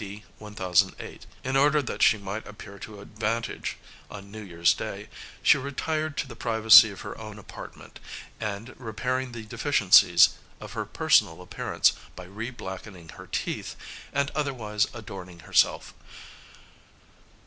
D. 1008), in order that she might appear to advantage on New Year's Day, she retired to the privacy of her own apartment, and repaired the deficiencies of her personal appearance by re blackening her teeth, and otherwise adorning herself.